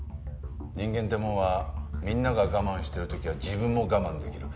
人間ってもんはみんなが我慢してる時は自分も我慢できる。